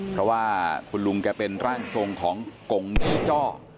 เพราะว่าคุณลุงแกเป็นร่างทรงของกงพี่จ้อ